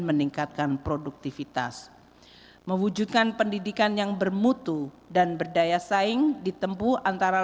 meningkatkan produktivitas mewujudkan pendidikan yang bermutu dan berdaya saing ditempuh antara